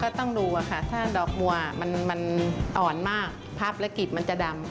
ก็ต้องรู้ค่ะถ้าดอกบัวมันอ่อนมากพับแล้วกิดมันจะดำ